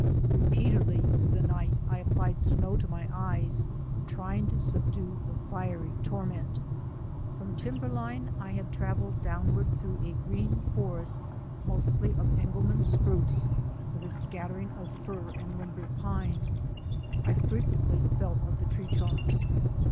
Repeatedly through the night I applied snow to my eyes trying to subdue the fiery torment. From timberline I bad travelled downward through a green forest mostly of Engelmann spruce with a scattering of fir and limber pine. I fre quently felt of the tree trunks.